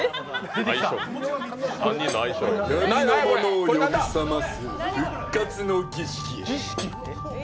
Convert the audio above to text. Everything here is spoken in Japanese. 「闇の者を呼び覚ます復活の儀式」。